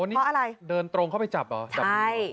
เพราะอะไรเดินตรงเข้าไปจับเหรอ